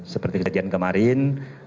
seperti kejadian kemarin